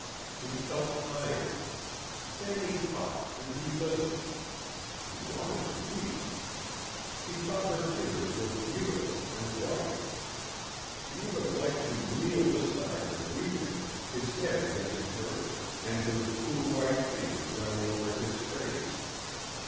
He felt tired. Fanny talked and he listened. He wanted to weep. He thought her fingers were beautiful and white. He would have liked to kneel beside her weeping, his head against her and her cool white fingers running over his face.